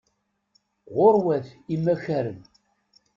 Ɣurwat imakaren.